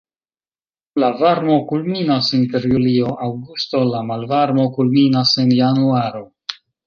La varmo kulminas inter julio-aŭgusto, la malvarmo kulminas en januaro.